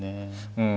うん。